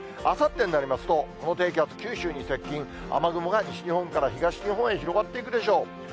あさってになりますと、この低気圧、九州に接近、雨雲が西日本から東日本へ広がっていくでしょう。